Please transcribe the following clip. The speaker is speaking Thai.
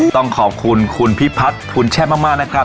ต้องขอบคุณคุณพิพัฒน์คุณแช่มากนะครับ